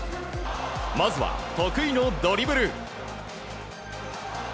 まずは、得意のドリブル。